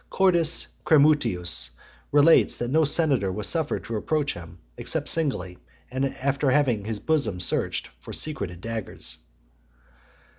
Cordus Cremutius relates that no senator was suffered to approach him, except singly, and after having his bosom searched [for secreted daggers].